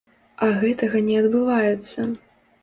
А гэтага не адбываецца.